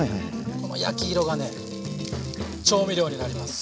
この焼き色がね調味料になります。